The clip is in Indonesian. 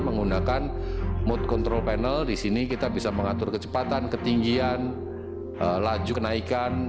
menggunakan mode control panel di sini kita bisa mengatur kecepatan ketinggian laju kenaikan arah dan lain lain